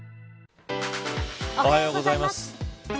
おはようございます。